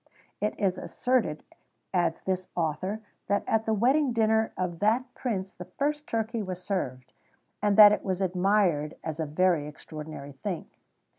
[XVII 114] It is asserted, adds this author, that at the wedding dinner of that Prince the first turkey was served, and that it was admired as a very extraordinary thing.